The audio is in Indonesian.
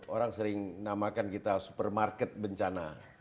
orang sering namakan kita supermarket bencana